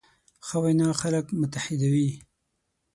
ښه وینا خلک متحدوي.